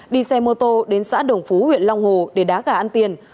đi xe mô tô đến xã đồng phú huyện long hồ để đá gà ăn tiền